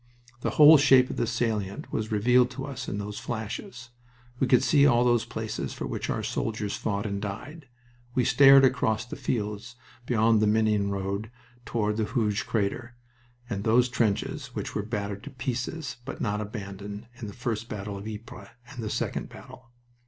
The whole shape of the salient was revealed to us in those flashes. We could see all those places for which our soldiers fought and died. We stared across the fields beyond the Menin road toward the Hooge crater, and those trenches which were battered to pieces but not abandoned in the first battle of Ypres and the second battle.